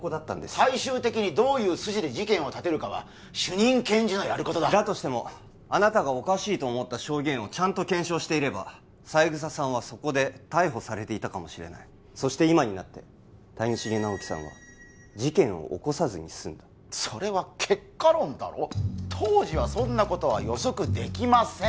最終的にどう事件を立てるかは主任検事のやることだあなたがおかしいと思った証言をちゃんと検証していれば三枝さんはそこで逮捕されていたかもしれないそして今になって谷繁直樹さんは事件を起こさずにすんだそれは結果論だろ当時はそんなことは予測できません